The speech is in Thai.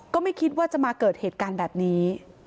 ก็ไม่คิดว่าจะมาเกิดเหตุการณ์แบบนี้